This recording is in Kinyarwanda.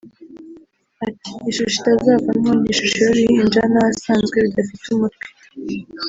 Ati “Ishusho itazamvamo ni ishusho y’uruhinja nahasanze rudafite umutwe